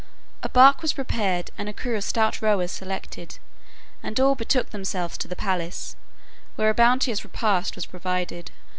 A bark was prepared and a crew of stout rowers selected, and all betook themselves to the palace, where a bounteous repast was provided.